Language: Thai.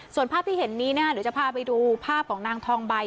ส่วนภาพที่เห็นนี้เดี๋ยวจะพาไปดูภาพของนางทองใบ